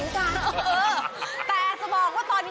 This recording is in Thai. แต่จะบอกว่าตอนนี้